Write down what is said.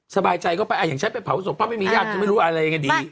สบายใจก็ไปอะยังใช้ไปเผาศพเพราะไม่มีอาจจะไม่รู้อะไรอย่างนี้